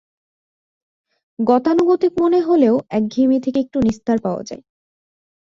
গতানুগতিক মনে হলেও একঘেয়েমি থেকে একটু নিস্তার পাওয়া যায়।